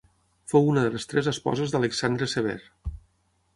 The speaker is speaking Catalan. Fou una de les tres esposes d'Alexandre Sever.